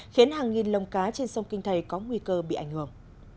khiến hàng nghìn lồng cá trên sông kinh thầy có nguy cơ bị ảnh hưởng